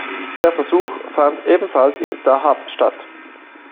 Der Versuch fand ebenfalls in Dahab statt.